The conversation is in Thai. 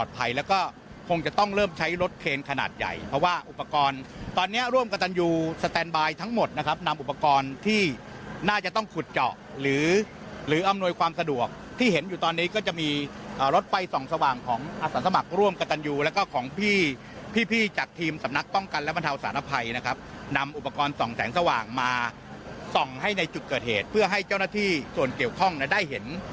ร่วมกับตันยูสแตนบายทั้งหมดนะครับนำอุปกรณ์ที่น่าจะต้องขุดเจาะหรืออำนวยความสะดวกที่เห็นอยู่ตอนนี้ก็จะมีรถไฟส่องสว่างของอาสาสมัครร่วมกับตันยูแล้วก็ของพี่พี่จากทีมสำนักป้องกันและบรรเทาสารภัยนะครับนำอุปกรณ์ส่องแสงสว่างมาส่องให้ในจุดเกิดเหตุเพื่อให้เจ้าหน้าที่ส่วนเกี่ยวข้องได้เห็น